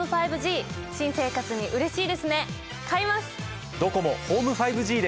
新生活にうれしいですね買います！